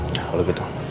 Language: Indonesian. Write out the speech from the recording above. ya udah gitu